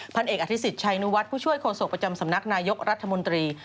พันเอกอธิษชัยนุวัฒน์ผู้ช่วยโศกประจำสำนักนายกรัฐมนตรี